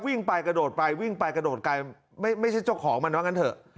วิ่งไปกระโดดไปวิ่งไปกระโดดไกลไม่ใช่เจ้าของมันว่างั้นเถอะ